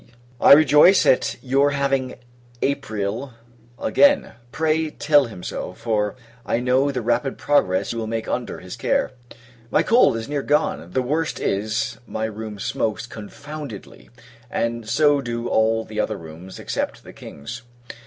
I rejoice at your having Aprile again; pray, tell him so: for I know the rapid progress you will make under his care. My cold is near gone. The worst is, my room smokes confoundedly; and so do all the other rooms, except the King's.